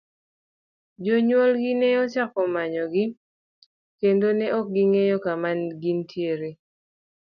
Jonyuol gi ne ochako manyo gi kendo ne ok ging'eyo kama gintiere.